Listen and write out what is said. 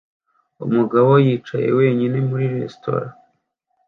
Umugabo yicaye wenyine muri resitora